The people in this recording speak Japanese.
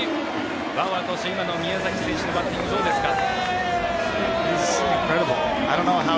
バウアー投手、宮崎選手のバッティングどうですか？